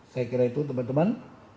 saya kira itu teman teman